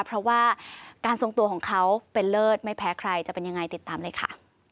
เพราะว่าการทรงตัวของเขาเป็นเลิศไม่แพ้ใครจะเป็นยังไงติดตามเลยค่ะ